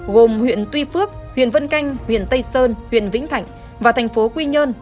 gồm huyện tuy phước huyện vân canh huyện tây sơn huyện vĩnh thạnh và thành phố quy nhơn